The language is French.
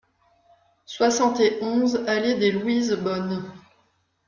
soixante et onze allée des Louises-Bonnes